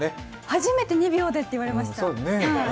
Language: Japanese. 初めて２秒でって言われました。